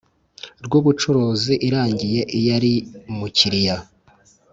Rw ubucuruzi irangiye iyo ari umukiriya